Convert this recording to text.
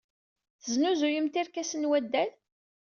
Tesnuzuyemt irkasen n waddal?